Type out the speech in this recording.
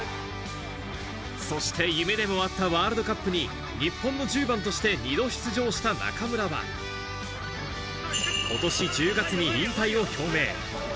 そして夢でもあったワールドカップに日本の１０番として２度出場した中村は今年１０月に引退を表明。